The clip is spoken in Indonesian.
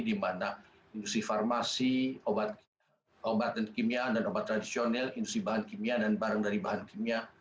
di mana industri farmasi obat dan kimia dan obat tradisional industri bahan kimia dan barang dari bahan kimia